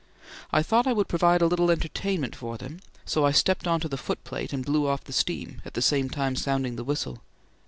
I thought I would provide a little entertainment for them, so I stepped on to the footplate and blew off the steam, at the same time sounding the whistle.